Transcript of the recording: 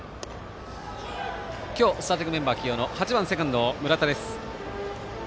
今日スターティングメンバー起用の８番セカンドの村田です。